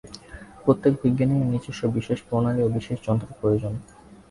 প্রত্যেক বিজ্ঞানেরই নিজস্ব বিশেষ প্রণালী ও বিশেষ যন্ত্রের প্রয়োজন।